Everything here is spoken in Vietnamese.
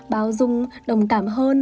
bao dung đồng cảm hơn